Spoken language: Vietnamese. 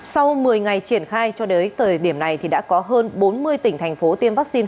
sau một mươi ngày triển khai cho đến thời điểm này thì đã có hơn bốn mươi tỉnh thành phố tiêm vaccine